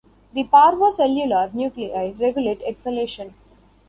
The parvocellular nuclei regulate exhalation.